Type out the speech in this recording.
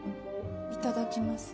いただきます。